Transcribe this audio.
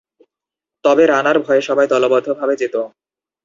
তবে রানার ভয়ে সবাই দলবদ্ধ ভাবে যেত।